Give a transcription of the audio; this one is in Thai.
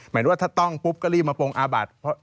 หมายถึงว่าถ้าต้องปุ๊บก็รีบมาโปรงอาบัติ